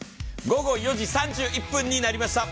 午後４時３１分になりました。